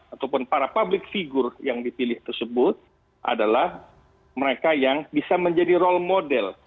ataupun para public figure yang dipilih tersebut adalah mereka yang bisa menjadi role model